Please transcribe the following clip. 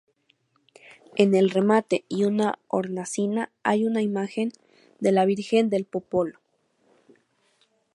En el remate y una hornacina hay una imagen de la Virgen del "Popolo".